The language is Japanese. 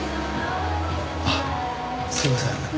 あっすいません。